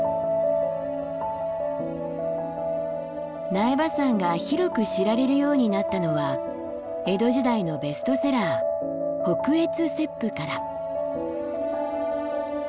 苗場山が広く知られるようになったのは江戸時代のベストセラー「北越雪譜」から。